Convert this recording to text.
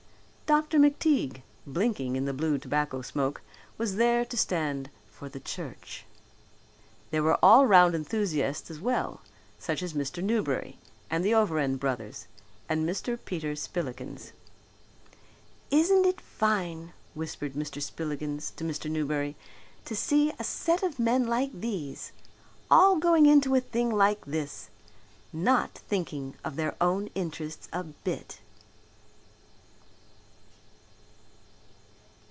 Dr. McTeague, blinking in the blue tobacco smoke, was there to stand for the church. There were all round enthusiasts as well, such as Mr. Newberry and the Overend brothers and Mr. Peter Spillikins. "Isn't it fine," whispered Mr. Spillikins to Mr. Newberry, "to see a set of men like these all going into a thing like this, not thinking of their own interests a bit?"